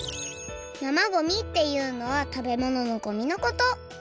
生ごみっていうのは食べ物のごみのこと。